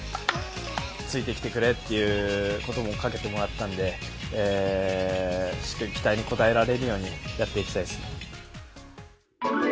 ついてきてくれっていうことばもかけてもらったので、しっかり期待に応えられるように、やっていきたいです。